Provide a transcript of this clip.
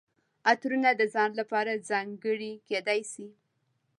عطرونه د ځان لپاره ځانګړي کیدای شي.